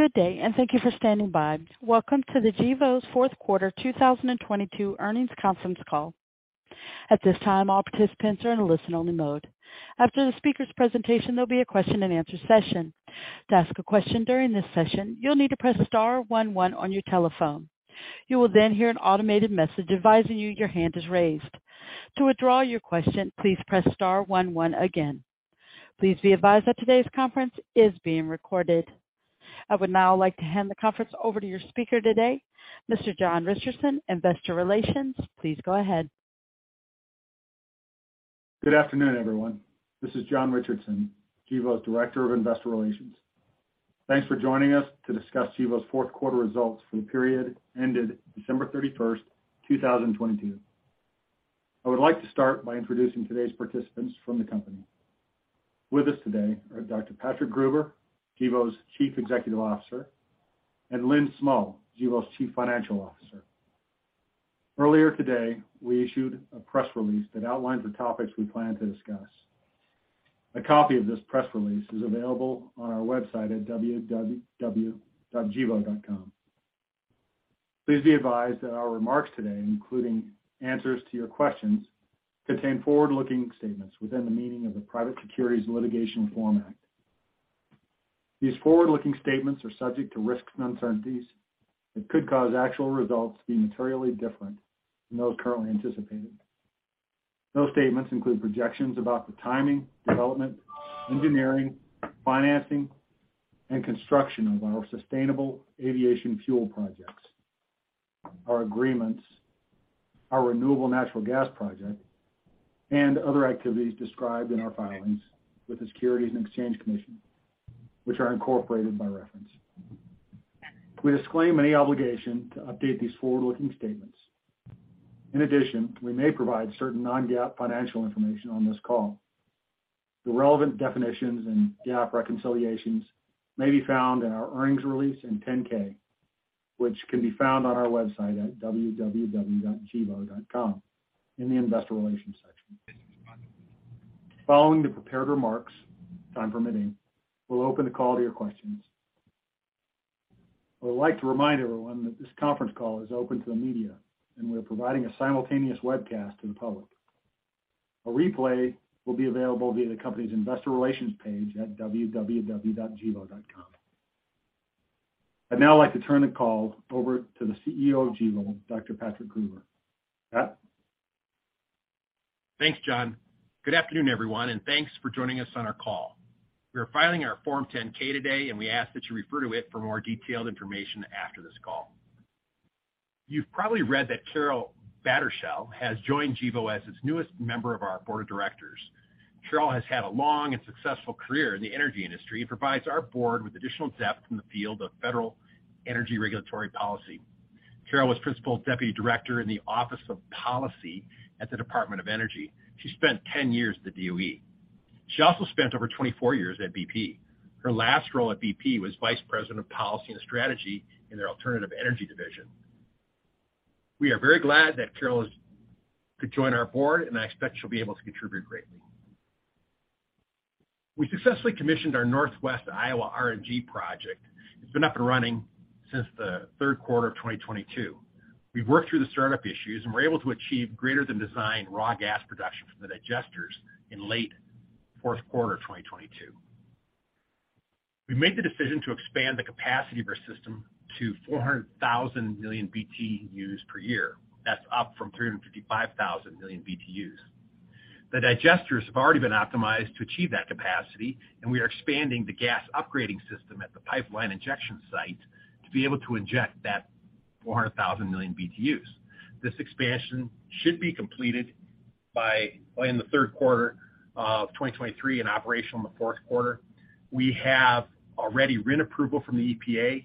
Good day. Thank you for standing by. Welcome to Gevo's Q4 2022 Earnings Conference Call. At this time, all participants are in a listen-only mode. After the speaker's presentation, there'll be a question-and-answer session. To ask a question during this session, you'll need to press star one one on your telephone. You will hear an automated message advising you your hand is raised. To withdraw your question, please press star one one again. Please be advised that today's conference is being recorded. I would now like to hand the conference over to your speaker today, Mr. John Richardson, Investor Relations. Please go ahead. Good afternoon, everyone. This is John Richardson, Gevo's Director of Investor Relations. Thanks for joining us to discuss Gevo's Q4 results for the period ended December 31, 2022. I would like to start by introducing today's participants from the company. With us today are Dr. Patrick Gruber, Gevo's Chief Executive Officer, and Lynn Smull, Gevo's Chief Financial Officer. Earlier today, we issued a press release that outlines the topics we plan to discuss. A copy of this press release is available on our website at www.gevo.com. Please be advised that our remarks today, including answers to your questions, contain forward-looking statements within the meaning of the Private Securities Litigation Reform Act. These forward-looking statements are subject to risks and uncertainties that could cause actual results to be materially different from those currently anticipated. Those statements include projections about the timing, development, engineering, financing, and construction of our sustainable aviation fuel projects, our agreements, our renewable natural gas project, and other activities described in our filings with the Securities and Exchange Commission, which are incorporated by reference. We disclaim any obligation to update these forward-looking statements. In addition, we may provide certain non-GAAP financial information on this call. The relevant definitions and GAAP reconciliations may be found in our earnings release and 10-K, which can be found on our website at www.gevo.com in the investor relations section. Following the prepared remarks, time permitting, we'll open the call to your questions. I would like to remind everyone that this conference call is open to the media and we're providing a simultaneous webcast to the public. A replay will be available via the company's investor relations page at www.gevo.com. I'd now like to turn the call over to the CEO of Gevo, Dr. Patrick Gruber. Pat? Thanks, John. Good afternoon, everyone, and thanks for joining us on our call. We are filing our Form 10-K today, and we ask that you refer to it for more detailed information after this call. You've probably read that Carol Battershell has joined Gevo as its newest member of our board of directors. Carol has had a long and successful career in the energy industry and provides our board with additional depth in the field of federal energy regulatory policy. Carol was Principal Deputy Director in the Office of Policy at the Department of Energy. She spent 10 years at the DOE. She also spent over 24 years at BP. Her last role at BP was Vice President of Policy and Strategy in their alternative energy division. We are very glad that Carol could join our board, and I expect she'll be able to contribute greatly. We successfully commissioned our Northwest Iowa RNG project. It's been up and running since the Q3 of 2022. We've worked through the startup issues and we're able to achieve greater than designed raw gas production from the digesters in late Q4 of 2022. We made the decision to expand the capacity of our system to 400,000 million BTUs per year. That's up from 355,000 million BTUs. The digesters have already been optimized to achieve that capacity, and we are expanding the gas upgrading system at the pipeline injection site to be able to inject that 400,000 million BTUs. This expansion should be completed by in the Q3 of 2023 and operational in the Q4. We have already RIN approval from the EPA,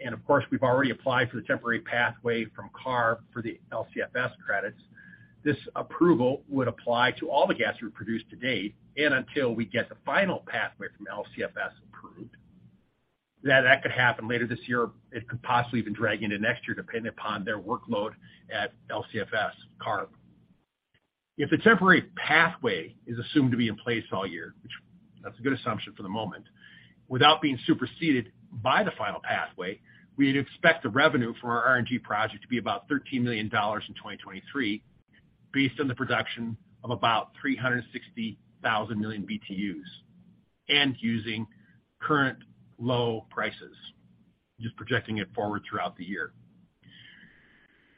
and of course we've already applied for the temporary pathway from CARB for the LCFS credits. This approval would apply to all the gas we produced to date and until we get the final pathway from LCFS approved. That could happen later this year. It could possibly even drag into next year, depending upon their workload at LCFS CARB. If the temporary pathway is assumed to be in place all year, which that's a good assumption for the moment, without being superseded by the final pathway, we'd expect the revenue for our RNG project to be about $13 million in 2023 based on the production of about 360,000 million BTUs and using current low prices, just projecting it forward throughout the year.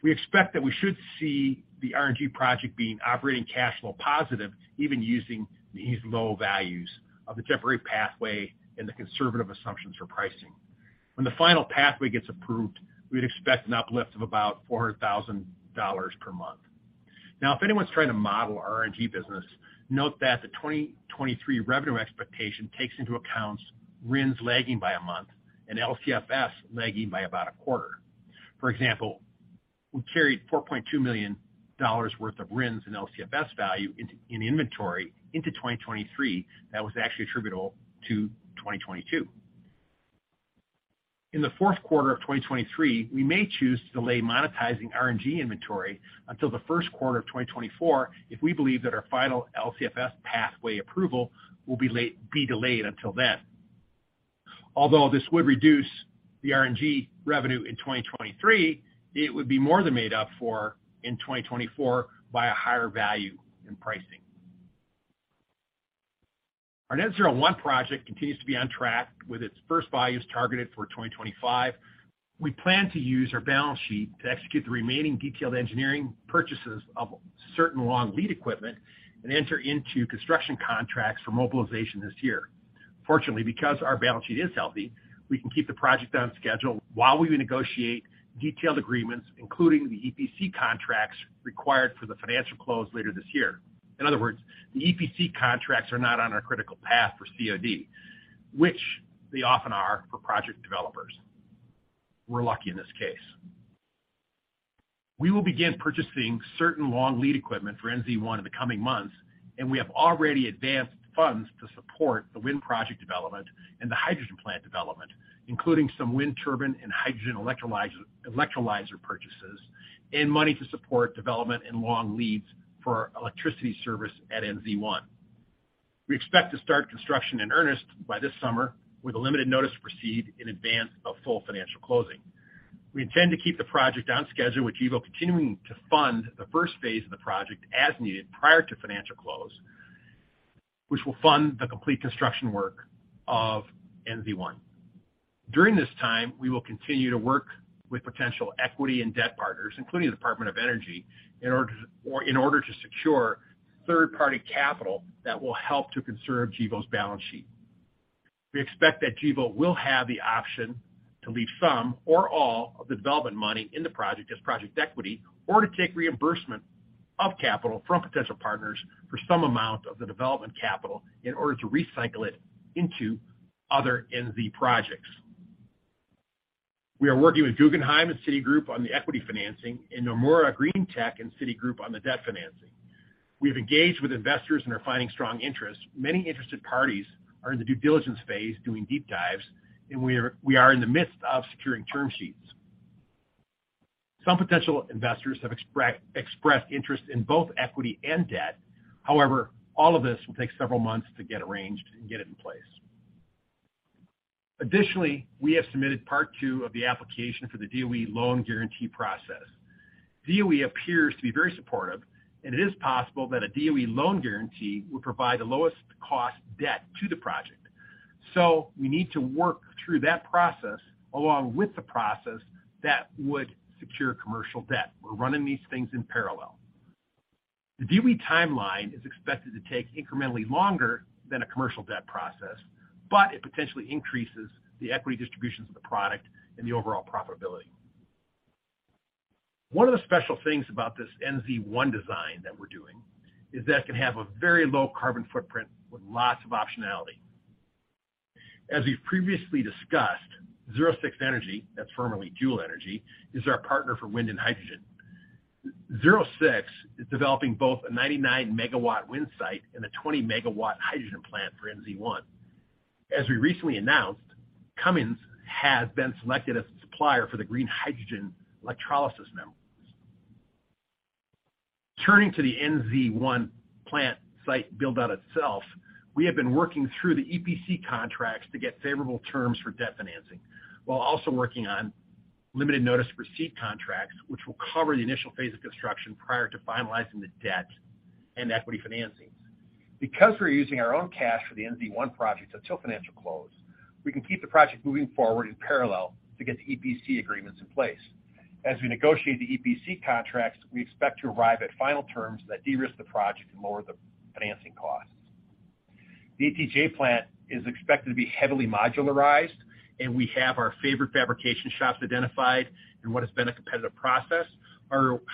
We expect that we should see the RNG project being operating cash flow positive even using these low values of the temporary pathway and the conservative assumptions for pricing. When the final pathway gets approved, we'd expect an uplift of about $400,000 per month. If anyone's trying to model our RNG business, note that the 2023 revenue expectation takes into account RINs lagging by a month and LCFS lagging by about a quarter. For example, we carried $4.2 million worth of RINs and LCFS value in inventory into 2023 that was actually attributable to 2022. In the Q4 of 2023, we may choose to delay monetizing RNG inventory until the Q1 of 2024 if we believe that our final LCFS pathway approval will be delayed until then. Although this would reduce the RNG revenue in 2023, it would be more than made up for in 2024 by a higher value in pricing. Our Net-Zero 1 project continues to be on track with its first values targeted for 2025. We plan to use our balance sheet to execute the remaining detailed engineering purchases of certain long lead equipment and enter into construction contracts for mobilization this year. Fortunately, because our balance sheet is healthy, we can keep the project on schedule while we negotiate detailed agreements, including the EPC contracts required for the financial close later this year. In other words, the EPC contracts are not on our critical path for COD, which they often are for project developers. We're lucky in this case. We will begin purchasing certain long lead equipment for NZ1 in the coming months, and we have already advanced funds to support the wind project development and the hydrogen plant development, including some wind turbine and hydrogen electrolyzer purchases and money to support development and long leads for electricity service at NZ1. We expect to start construction in earnest by this summer with a limited notice to proceed in advance of full financial closing. We intend to keep the project on schedule with Gevo continuing to fund the first phase of the project as needed prior to financial close, which will fund the complete construction work of NZ1. During this time, we will continue to work with potential equity and debt partners, including the Department of Energy, in order to secure third-party capital that will help to conserve Gevo's balance sheet. We expect that Gevo will have the option to leave some or all of the development money in the project as project equity or to take reimbursement of capital from potential partners for some amount of the development capital in order to recycle it into other NZ projects. We are working with Guggenheim and Citigroup on the equity financing and Nomura Greentech and Citigroup on the debt financing. We have engaged with investors and are finding strong interest. Many interested parties are in the due diligence phase doing deep dives, and we are in the midst of securing term sheets. Some potential investors have expressed interest in both equity and debt. However, all of this will take several months to get arranged and get it in place. Additionally, we have submitted part two of the application for the DOE loan guarantee process. DOE appears to be very supportive. It is possible that a DOE loan guarantee would provide the lowest cost debt to the project. We need to work through that process along with the process that would secure commercial debt. We're running these things in parallel. The DOE timeline is expected to take incrementally longer than a commercial debt process. It potentially increases the equity distributions of the product and the overall profitability. One of the special things about this NZ1 design that we're doing is that it can have a very low carbon footprint with lots of optionality. As we've previously discussed, Zero6 Energy, that's formerly Juhl Energy, is our partner for wind and hydrogen. Zero6 is developing both a 99 MW wind site and a 20 MW hydrogen plant for NZ1. As we recently announced, Cummins has been selected as the supplier for the green hydrogen electrolysis membranes. Turning to the NZ1 plant site build-out itself, we have been working through the EPC contracts to get favorable terms for debt financing while also working on limited notice to proceed contracts, which will cover the initial phase of construction prior to finalizing the debt and equity financings. Because we're using our own cash for the NZ1 project until financial close, we can keep the project moving forward in parallel to get the EPC agreements in place. As we negotiate the EPC contracts, we expect to arrive at final terms that de-risk the project and lower the financing costs.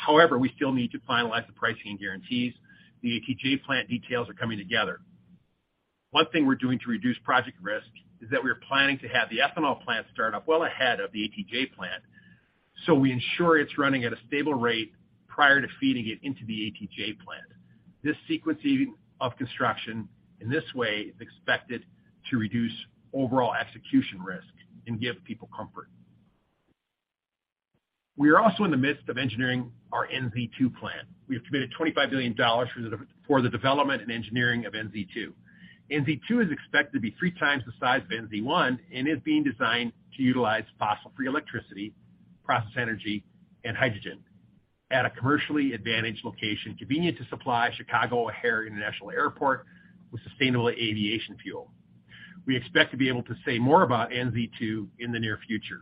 However, we still need to finalize the pricing guarantees. The ATJ plant details are coming together. One thing we're doing to reduce project risk is that we are planning to have the ethanol plant start up well ahead of the ATJ plant, so we ensure it's running at a stable rate prior to feeding it into the ATJ plant. This sequencing of construction in this way is expected to reduce overall execution risk and give people comfort. We are also in the midst of engineering our NZ2 plant. We have committed $25 billion for the development and engineering of NZ2. NZ2 is expected to be three times the size of NZ1 and is being designed to utilize fossil-free electricity, process energy, and hydrogen at a commercially advantaged location convenient to supply Chicago O'Hare International Airport with sustainable aviation fuel. We expect to be able to say more about NZ2 in the near future.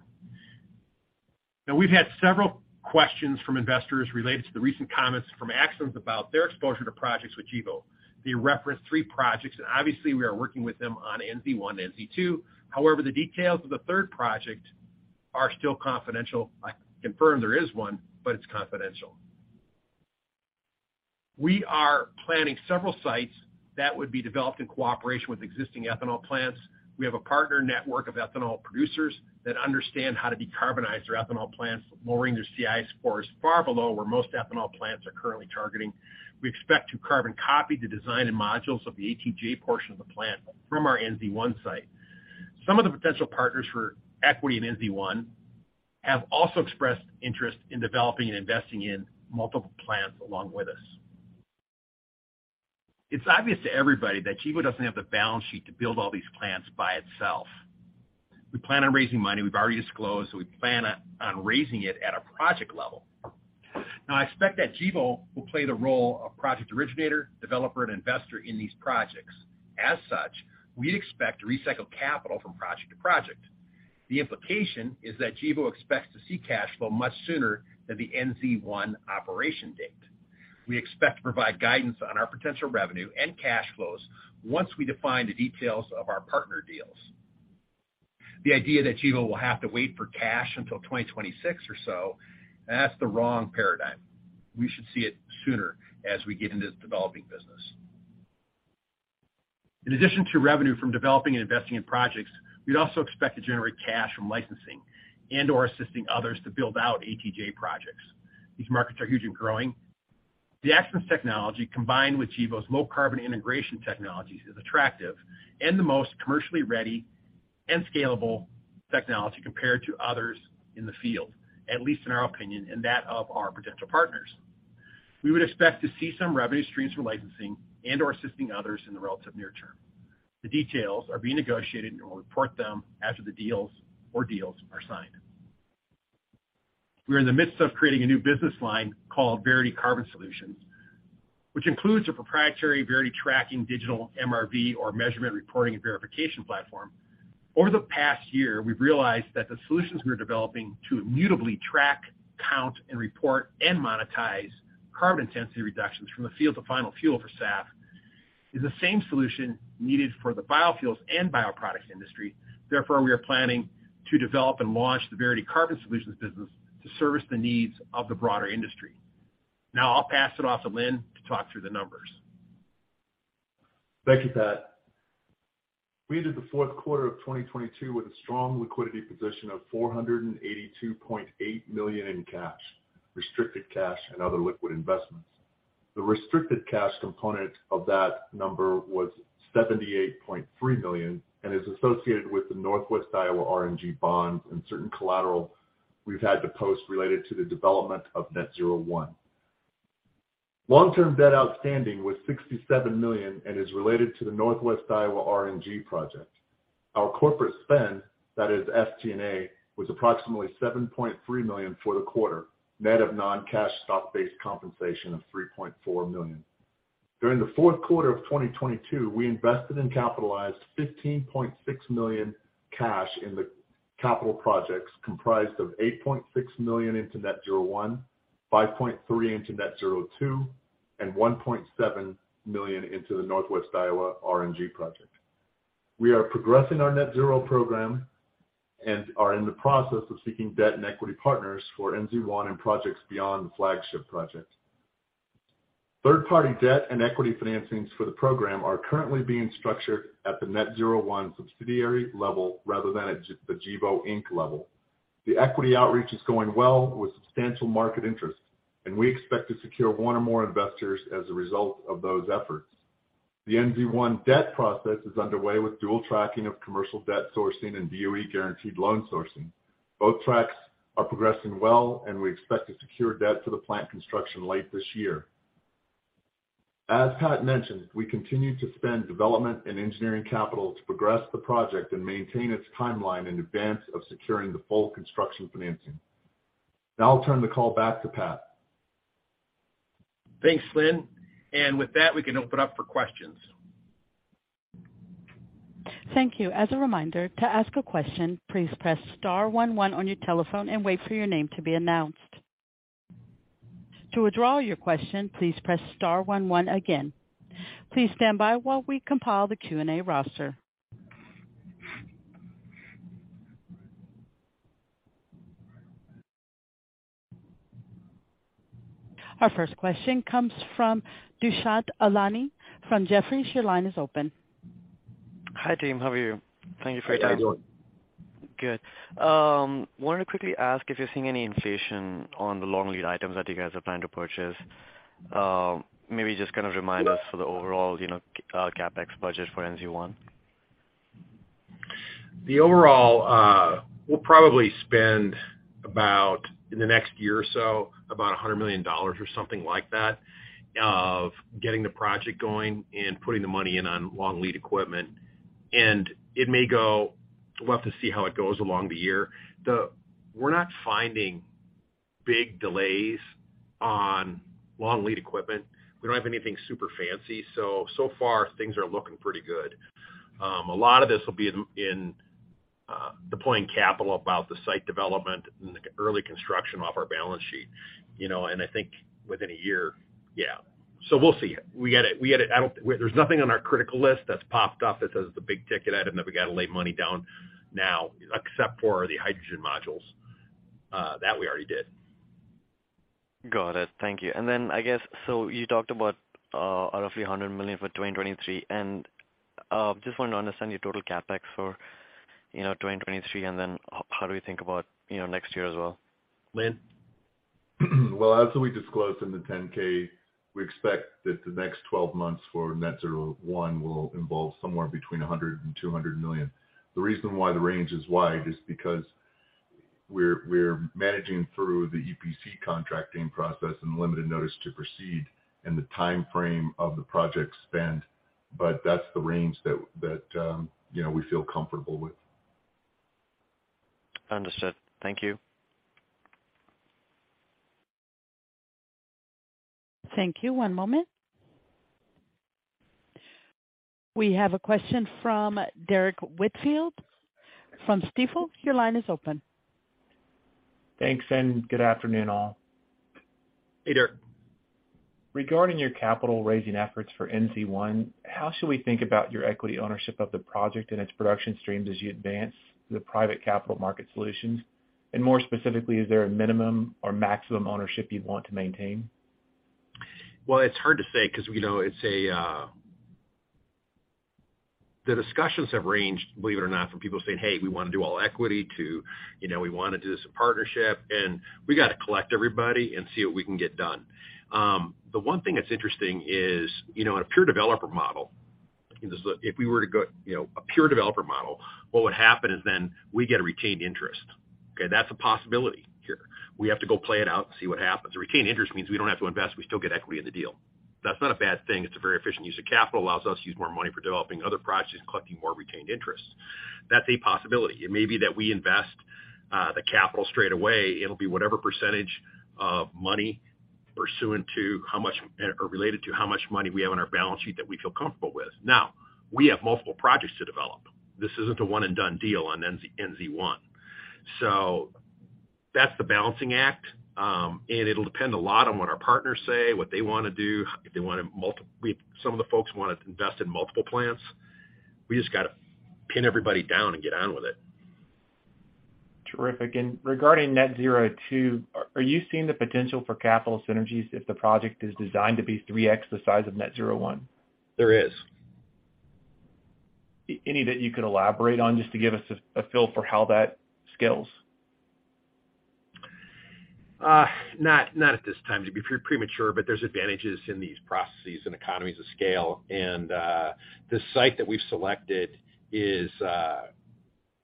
We've had several questions from investors related to the recent comments from Axens about their exposure to projects with Gevo. They referenced three projects, and obviously, we are working with them on NZ1 and NZ2. However, the details of the third project are still confidential. I confirm there is one, but it's confidential. We are planning several sites that would be developed in cooperation with existing ethanol plants. We have a partner network of ethanol producers that understand how to decarbonize their ethanol plants, lowering their CI scores far below where most ethanol plants are currently targeting. We expect to carbon copy the design and modules of the ATJ portion of the plant from our NZ1 site. Some of the potential partners for equity in NZ1 have also expressed interest in developing and investing in multiple plants along with us. It's obvious to everybody that Gevo doesn't have the balance sheet to build all these plants by itself. We plan on raising money. We've already disclosed. We plan on raising it at a project level. I expect that Gevo will play the role of project originator, developer, and investor in these projects. As such, we'd expect to recycle capital from project to project. The implication is that Gevo expects to see cash flow much sooner than the NZ1 operation date. We expect to provide guidance on our potential revenue and cash flows once we define the details of our partner deals. The idea that Gevo will have to wait for cash until 2026 or so, that's the wrong paradigm. We should see it sooner as we get into this developing business. In addition to revenue from developing and investing in projects, we'd also expect to generate cash from licensing and/or assisting others to build out ATJ projects. These markets are huge and growing. The Axens' technology, combined with Gevo's low carbon integration technologies, is attractive and the most commercially ready and scalable technology compared to others in the field, at least in our opinion and that of our potential partners. We would expect to see some revenue streams for licensing and/or assisting others in the relative near term. The details are being negotiated, and we'll report them after the deals or deals are signed. We're in the midst of creating a new business line called Verity Carbon Solutions, which includes a proprietary Verity tracking digital MRV or measurement reporting and verification platform. Over the past year, we've realized that the solutions we are developing to immutably track, count, and report and monetize carbon intensity reductions from the field to final fuel for SAF is the same solution needed for the biofuels and bioproduct industry. We are planning to develop and launch the Verity Carbon Solutions business to service the needs of the broader industry. I'll pass it off to Lynn to talk through the numbers. Thank you, Pat. We ended the Q4 of 2022 with a strong liquidity position of $482.8 million in cash, restricted cash, and other liquid investments. The restricted cash component of that number was $78.3 million and is associated with the Northwest Iowa RNG bonds and certain collateral we've had to post related to the development of Net-Zero 1. Long-term debt outstanding was $67 million and is related to the Northwest Iowa RNG project. Our corporate spend, that is FTNA, was approximately $7.3 million for the quarter, net of non-cash stock-based compensation of $3.4 million. During the Q4 of 2022, we invested and capitalized $15.6 million cash in the capital projects comprised of $8.6 million into Net-Zero 1, $5.3 million into Net-Zero 2, and $1.7 million into the Northwest Iowa RNG project. We are progressing our Net-Zero program and are in the process of seeking debt and equity partners for NZ1 and projects beyond the flagship project. Third-party debt and equity financings for the program are currently being structured at the Net-Zero 1 subsidiary level rather than at the Gevo, Inc. level. The equity outreach is going well with substantial market interest, and we expect to secure one or more investors as a result of those efforts. The NZ1 debt process is underway with dual tracking of commercial debt sourcing and DOE guaranteed loan sourcing. Both tracks are progressing well, and we expect to secure debt for the plant construction late this year. As Pat mentioned, we continue to spend development and engineering capital to progress the project and maintain its timeline in advance of securing the full construction financing. Now I'll turn the call back to Pat. Thanks, Lynn. With that, we can open up for questions. Thank you. As a reminder, to ask a question, please press star one one on your telephone and wait for your name to be announced. To withdraw your question, please press star one one again. Please stand by while we compile the Q&A roster. Our first question comes from Dushyant Ailani from Jefferies. Your line is open. Hi, team. How are you? Thank you for your time. Hi, Dushyant. Good. Wanted to quickly ask if you're seeing any inflation on the long lead items that you guys are planning to purchase, maybe just remind us for the overall, you know, CapEx budget for NZ1? The overall, we'll probably spend about in the next year or so, about $100 million or something like that of getting the project going and putting the money in on long lead equipment. It may go. We'll have to see how it goes along the year. We're not finding big delays on long lead equipment. We don't have anything super fancy, so far things are looking pretty good. A lot of this will be in deploying capital about the site development and the early construction off our balance sheet, you know. I think within a year, yeah. We'll see. There's nothing on our critical list that's popped up that says it's a big ticket item that we got to lay money down now except for the hydrogen modules that we already did. Got it. Thank you. I guess you talked about roughly $100 million for 2023. Just wanted to understand your total CapEx for, you know, 2023. How do we think about, you know, next year as well? As we disclosed in the 10-K, we expect that the next 12 months for Net-Zero 1 will involve somewhere between $100 million-$200 million. The reason why the range is wide is because we're managing through the EPC contracting process and limited notice to proceed and the time frame of the project spend. That's the range that, you know, we feel comfortable with. Understood. Thank you. Thank you. One moment. We have a question from Derrick Whitfield from Stifel. Your line is open. Thanks, good afternoon, all. Hey, Derrick. Regarding your capital raising efforts for NZ1, how should we think about your equity ownership of the project and its production streams as you advance the private capital market solutions? More specifically, is there a minimum or maximum ownership you want to maintain? Well, it's hard to say because, you know, it's a. The discussions have ranged, believe it or not, from people saying, "Hey, we want to do all equity," to, you know, "We want to do this in partnership," and we got to collect everybody and see what we can get done. The one thing that's interesting is, you know, in a pure developer model, if we were to go, you know, a pure developer model, what would happen is then we get a retained interest. Okay? That's a possibility here. We have to go play it out and see what happens. A retained interest means we don't have to invest. We still get equity in the deal. That's not a bad thing. It's a very efficient use of capital. Allows us to use more money for developing other projects and collecting more retained interests. That's a possibility. It may be that we invest the capital straight away. It'll be whatever percentage of money pursuant to how much money we have on our balance sheet that we feel comfortable with. We have multiple projects to develop. This isn't a one and done deal o NZ1. That's the balancing act. It'll depend a lot on what our partners say, what they want to do. Some of the folks want to invest in multiple plants. We just got to pin everybody down and get on with it. Terrific. Regarding Net-Zero 2, are you seeing the potential for capital synergies if the project is designed to be 3x the size of Net-Zero 1? There is. Any that you could elaborate on, just to give us a feel for how that scales? Not at this time. It'd be premature, but there's advantages in these processes and economies of scale. The site that we've selected is.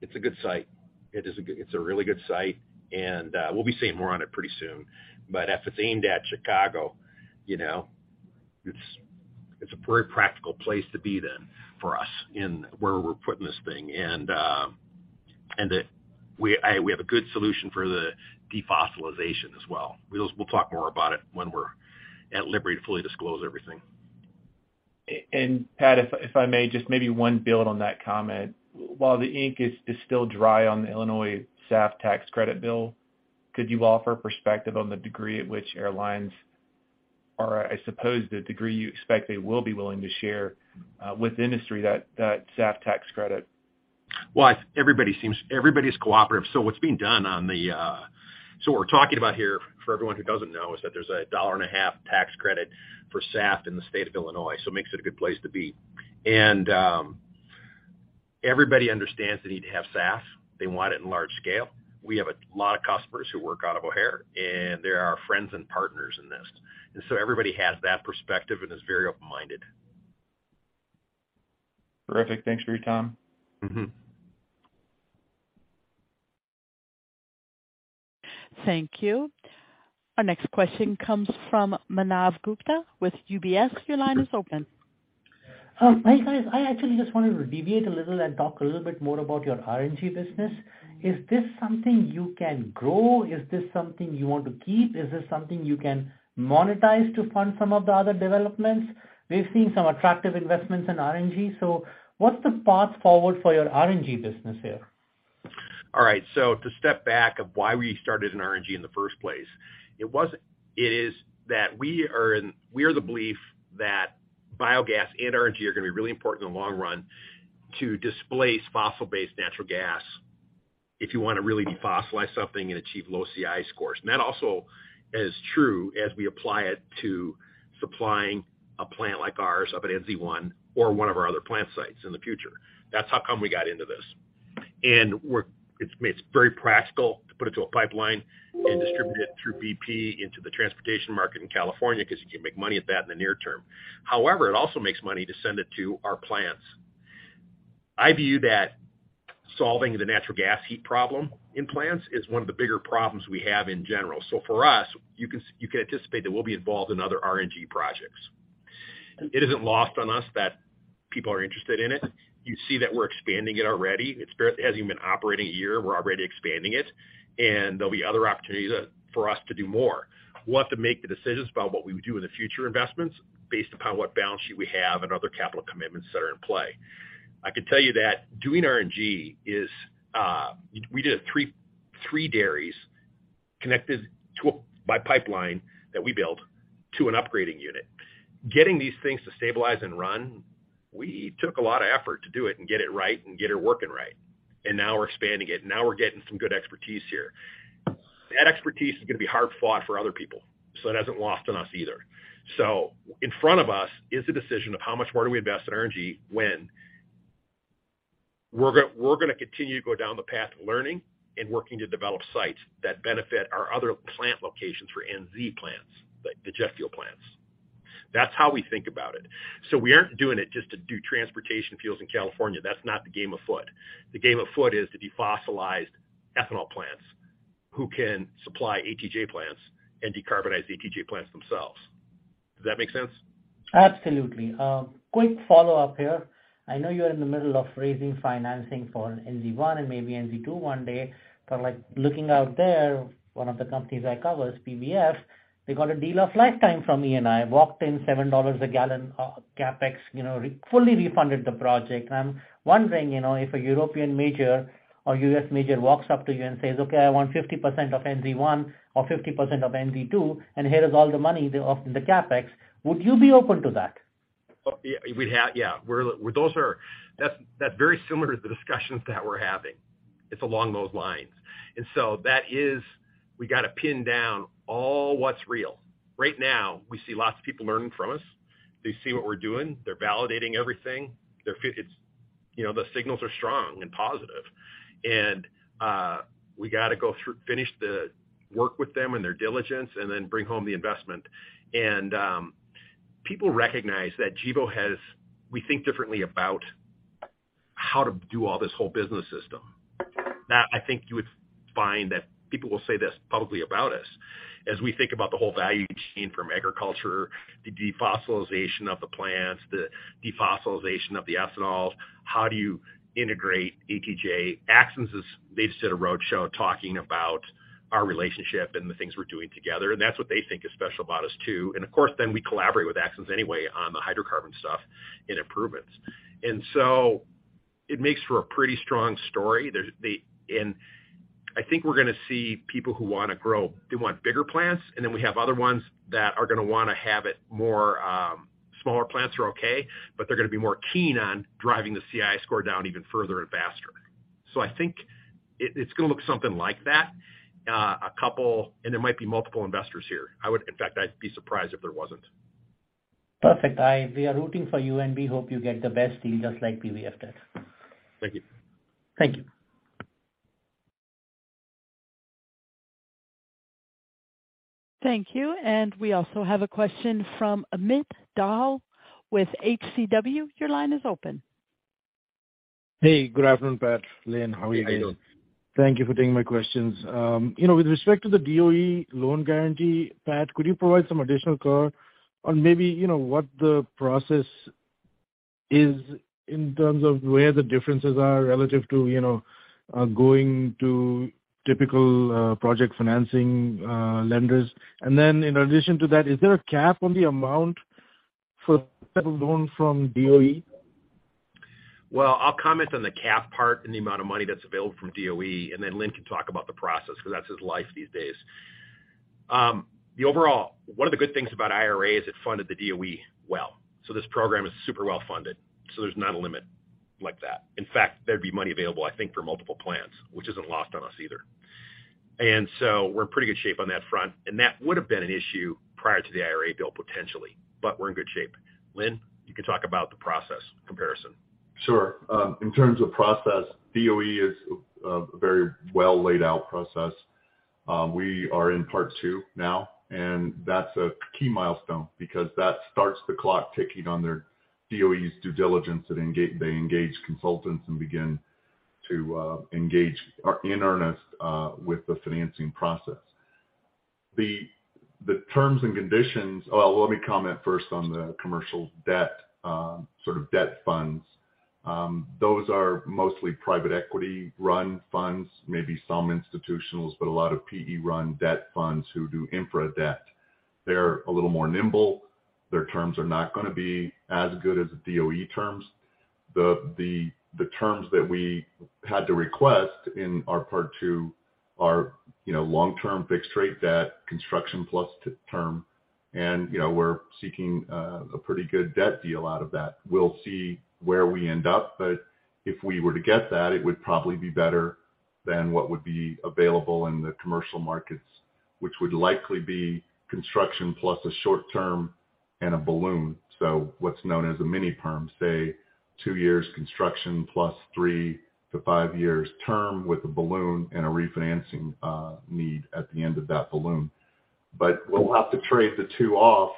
It's a good site. It is a good. It's a really good site, and we'll be saying more on it pretty soon. If it's aimed at Chicago, you know, it's a very practical place to be then for us in where we're putting this thing. That we have a good solution for the defossilization as well. We'll talk more about it when we're at liberty to fully disclose everything. Pat, if I may, just maybe one build on that comment. While the ink is still dry on the Illinois SAF tax credit bill, could you offer perspective on the degree at which I suppose the degree you expect they will be willing to share with industry that SAF tax credit? Well, everybody's cooperative. What's being done on the... What we're talking about here, for everyone who doesn't know, is that there's a dollar and a half tax credit for SAF in the state of Illinois, so it makes it a good place to be. Everybody understands the need to have SAF. They want it in large scale. We have a lot of customers who work out of O'Hare, and they're our friends and partners in this. Everybody has that perspective and is very open-minded. Terrific. Thanks for your time. Mm-hmm. Thank you. Our next question comes from Manav Gupta with UBS. Your line is open. Hi, guys. I actually just wanted to deviate a little and talk a little bit more about your RNG business. Is this something you can grow? Is this something you want to keep? Is this something you can monetize to fund some of the other developments? We've seen some attractive investments in RNG. What's the path forward for your RNG business here? To step back of why we started an RNG in the first place, it is that we are of the belief that biogas and RNG are going to be really important in the long run to displace fossil-based natural gas if you want to really defossilize something and achieve low CI scores. That also is true as we apply it to supplying a plant like ours up at NZ1 or one of our other plant sites in the future. That's how come we got into this. It's very practical to put it to a pipeline and distribute it through BP into the transportation market in California, because you can make money at that in the near term. However, it also makes money to send it to our plants. I view that solving the natural gas heat problem in plants is one of the bigger problems we have in general. For us, you can anticipate that we'll be involved in other RNG projects. It isn't lost on us that people are interested in it. You see that we're expanding it already. It hasn't even been operating a year, and we're already expanding it, and there'll be other opportunities for us to do more. We'll have to make the decisions about what we would do in the future investments based upon what balance sheet we have and other capital commitments that are in play. I can tell you that doing RNG is. We did 3 dairies connected by pipeline that we built to an upgrading unit. Getting these things to stabilize and run, we took a lot of effort to do it and get it right and get her working right. Now we're expanding it. Now we're getting some good expertise here. That expertise is going to be hard-fought for other people, so it hasn't lost on us either. In front of us is the decision of how much more do we invest in RNG we're going to continue to go down the path of learning and working to develop sites that benefit our other plant locations for NZ plants, like the jatropha plants. That's how we think about it. We aren't doing it just to do transportation fuels in California. That's not the game afoot. The game afoot is to defossilized ethanol plants who can supply ATJ plants and decarbonize ATJ plants themselves. Does that make sense? Absolutely. Quick follow-up here. I know you're in the middle of raising financing for an NZ1 and maybe NZ2 one day. Like, looking out there, one of the companies I cover is PBF. They got a deal of lifetime from Eni, walked in $7 a gallon of CapEx, you know, fully refunded the project. I'm wondering, you know, if a European major or U.S. major walks up to you and says, "Okay, I want 50% of NZ1 or 50% of NZ2, and here is all the money of the CapEx," would you be open to that? Oh, yeah, we'd have. Yeah. That's very similar to the discussions that we're having. It's along those lines. That is, we got to pin down all what's real. Right now, we see lots of people learning from us. They see what we're doing. They're validating everything. It's, you know, the signals are strong and positive. We got to finish the work with them and their diligence and then bring home the investment. People recognize that Gevo, we think differently about how to do all this whole business system. That, I think you would find that people will say this publicly about us as we think about the whole value chain from agriculture to defossilization of the plants, the defossilization of the ethanol. How do you integrate ATJ? Axens they've set a roadshow talking about our relationship and the things we're doing together, that's what they think is special about us, too. Of course, we collaborate with Axens anyway on the hydrocarbon stuff and improvements. It makes for a pretty strong story. I think we're going to see people who want to grow. They want bigger plants, we have other ones that are going to want to have it more, smaller plants are okay, they're going to be more keen on driving the CI score down even further and faster. I think it's going to look something like that, a couple, there might be multiple investors here. In fact, I'd be surprised if there wasn't. Perfect. We are rooting for you, and we hope you get the best deal just like PBF does. Thank you. Thank you. Thank you. We also have a question from Amit Dayal with HCW. Your line is open. Hey, good afternoon, Pat, Lynn. How are you guys? Hello. Thank you for taking my questions. You know, with respect to the DOE loan guarantee, Pat, could you provide some additional color on maybe, you know, what the process is in terms of where the differences are relative to, you know, going to typical project financing lenders. In addition to that, is there a cap on the amount for federal loan from DOE? Well, I'll comment on the cap part and the amount of money that's available from DOE, and then Lynn can talk about the process 'cause that's his life these days. The overall, one of the good things about IRA is it funded the DOE well. This program is super well funded, so there's not a limit like that. In fact, there'd be money available, I think, for multiple plants, which isn't lost on us either. We're in pretty good shape on that front. That would have been an issue prior to the IRA bill, potentially, but we're in good shape. Lynn, you can talk about the process comparison. Sure. In terms of process, DOE is a very well laid out process. We are in part 2 now, and that's a key milestone because that starts the clock ticking on their DOE's due diligence. They engage consultants and begin to engage in earnest with the financing process. The terms and conditions. Well, let me comment first on the commercial debt funds. Those are mostly private equity run funds, maybe some institutionals, but a lot of PE-run debt funds who do infra debt. They're a little more nimble. Their terms are not going to be as good as the DOE terms. The terms that we had to request in our part 2 are, you know, long-term fixed rate debt, construction plus term. You know, we're seeking a pretty good debt deal out of that. We'll see where we end up, but if we were to get that, it would probably be better than what would be available in the commercial markets, which would likely be construction plus a short term and a balloon. What's known as a mini-perm, say 2 years construction plus 3-5 years term with a balloon and a refinancing need at the end of that balloon. We'll have to trade the two off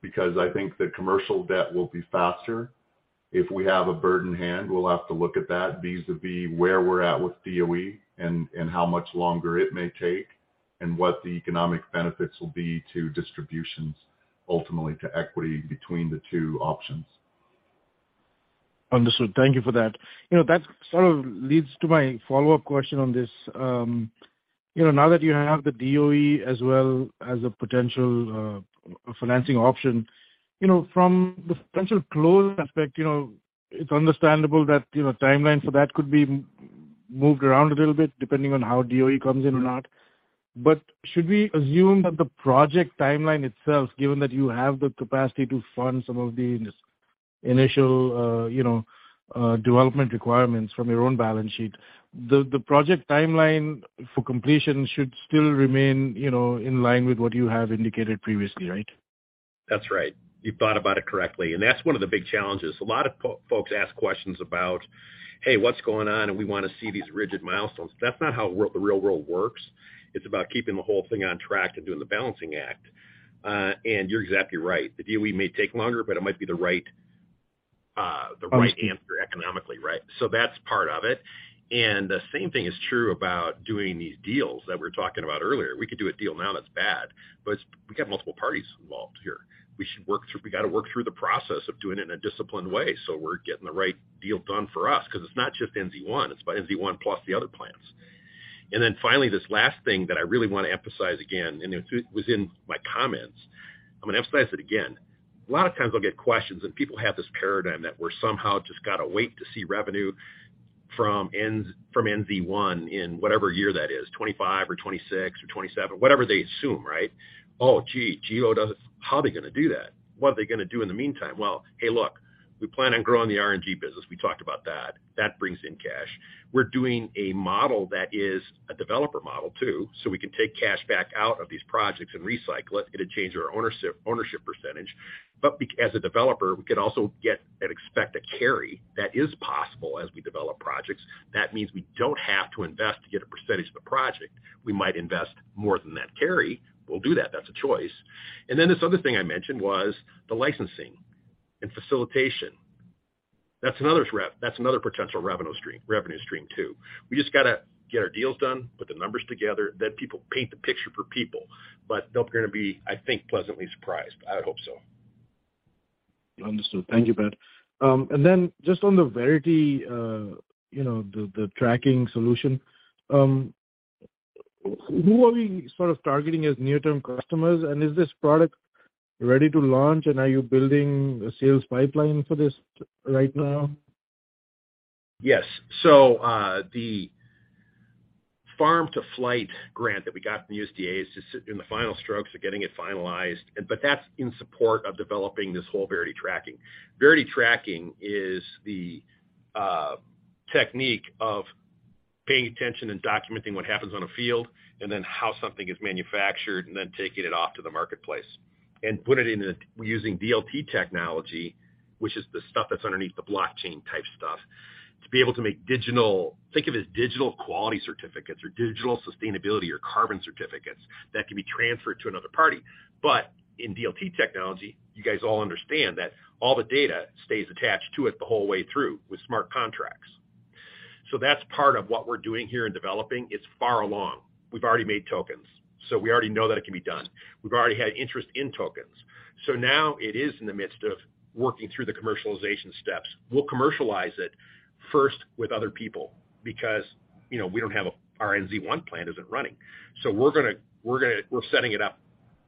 because I think the commercial debt will be faster. If we have a bird in hand, we'll have to look at that vis-a-vis where we're at with DOE and how much longer it may take and what the economic benefits will be to distributions ultimately to equity between the two options. Understood. Thank you for that. You know, that leads to my follow-up question on this. You know, now that you have the DOE as well as a potential, financing option, you know, from the potential close aspect, you know, it's understandable that, you know, timeline for that could be moved around a little bit depending on how DOE comes in or not. Should we assume that the project timeline itself, given that you have the capacity to fund some of the initial, you know, development requirements from your own balance sheet, the project timeline for completion should still remain, you know, in line with what you have indicated previously, right? That's right. You thought about it correctly, and that's one of the big challenges. A lot of folks ask questions about, "Hey, what's going on? We want to see these rigid milestones." That's not how the real world works. It's about keeping the whole thing on track and doing the balancing act. You're exactly right. The DWE may take longer, but it might be the right, the right answer economically, right? That's part of it. The same thing is true about doing these deals that we were talking about earlier. We could do a deal now that's bad, but we got multiple parties involved here. We got to work through the process of doing it in a disciplined way, so we're getting the right deal done for us. 'Cause it's not just NZ1, it's about NZ1 plus the other plants. Finally, this last thing that I really want to emphasize again, and it was in my comments, I am going to emphasize it again. A lot of times I will get questions, people have this paradigm that we are somehow just got to wait to see revenue from NZ1 in whatever year that is, 25 or 26 or 27, whatever they assume, right? Oh, gee. How are they going to do that? What are they going to do in the meantime? Well, hey, look, we plan on growing the RNG business. We talked about that. That brings in cash. We are doing a model that is a developer model too, we can take cash back out of these projects and recycle it. It will change our ownership percentage. As a developer, we can also get and expect a carry that is possible as we develop projects. That means we don't have to invest to get a percentage of the project. We might invest more than that carry. We'll do that. That's a choice. Then this other thing I mentioned was the licensing and facilitation. That's another potential revenue stream too. We just got to get our deals done, put the numbers together, then people paint the picture for people. They're going to be, I think, pleasantly surprised. I hope so. Understood. Thank you, Pat. Just on the Verity, you know, the tracking solution, who are we targeting as near-term customers? Is this product ready to launch, and are you building a sales pipeline for this right now? Yes. The Farm-to-Flight grant that we got from USDA is just in the final strokes of getting it finalized. That's in support of developing this whole Verity tracking. Verity tracking is the technique of paying attention and documenting what happens on a field and then how something is manufactured and then taking it off to the marketplace and using DLT technology, which is the stuff that's underneath the blockchain type stuff, to be able to make digital. Think of it as digital quality certificates or digital sustainability or carbon certificates that can be transferred to another party. In DLT technology, you guys all understand that all the data stays attached to it the whole way through with smart contracts. That's part of what we're doing here in developing. It's far along. We've already made tokens, so we already know that it can be done. We've already had interest in tokens. Now it is in the midst of working through the commercialization steps. We'll commercialize it first with other people because, you know, we don't have our NZ1 plant isn't running. We're setting it up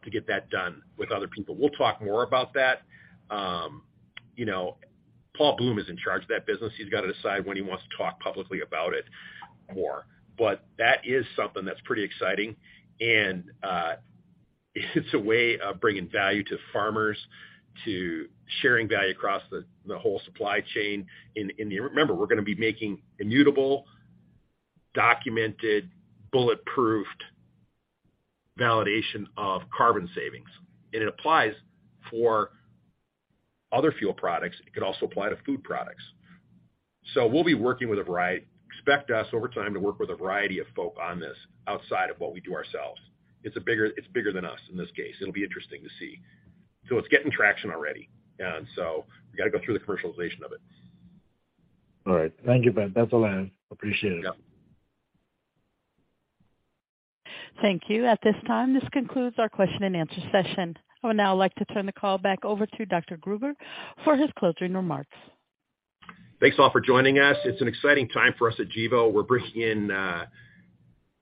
to get that done with other people. We'll talk more about that. You know, Paul Bloom is in charge of that business. He's got to decide when he wants to talk publicly about it more. That is something that's pretty exciting and it's a way of bringing value to farmers, to sharing value across the whole supply chain. Remember, we're going to be making immutable, documented, bulletproofed validation of carbon savings. It applies for other fuel products. It could also apply to food products. We'll be working with a variety. Expect us over time to work with a variety of folk on this outside of what we do ourselves. It's bigger than us in this case. It'll be interesting to see. It's getting traction already. We got to go through the commercialization of it. All right. Thank you, Pat. That's all I have. Appreciate it. Yeah. Thank you. At this time, this concludes our question and answer session. I would now like to turn the call back over to Dr. Gruber for his closing remarks. Thanks all for joining us. It's an exciting time for us at Gevo. We're bringing in,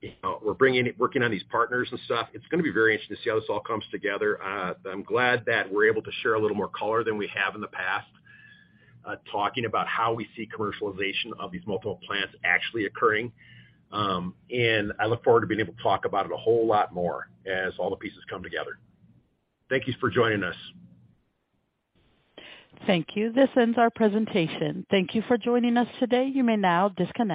you know, working on these partners and stuff. It's going to be very interesting to see how this all comes together. I'm glad that we're able to share a little more color than we have in the past, talking about how we see commercialization of these multiple plants actually occurring. I look forward to being able to talk about it a whole lot more as all the pieces come together. Thank you for joining us. Thank you. This ends our presentation. Thank you for joining us today. You may now disconnect.